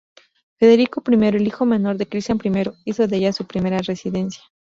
Federico I, el hijo menor de Cristián I, hizo de ella su primera residencia.